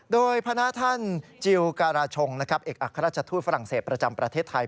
โดยพระท่านจิลการาชงเอกอัครราชทูตฝรั่งเศสประจำประเทศไทย